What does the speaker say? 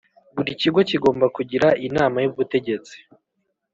Buri Kigo kigomba kugira inama y’ubutegetsi